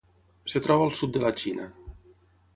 Es troba al sud de la Xina.